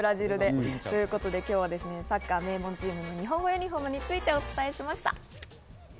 今日はサッカー名門チームの日本語ユニホームについてお伝えしました。